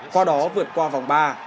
qua đó vượt qua vòng ba